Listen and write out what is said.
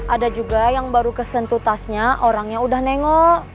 ada juga yang baru kesentuh tasnya orangnya udah nengok